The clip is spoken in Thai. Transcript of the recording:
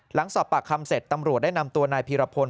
หลังสอบปากคำเสร็จตำรวจได้นำตัวนายพีรพล